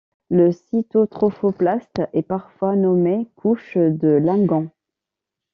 Le cytotrophoblaste est parfois nommé couche de Langhans.